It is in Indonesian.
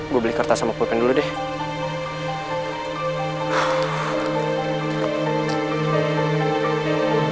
gue beli kertas sama kulpen dulu deh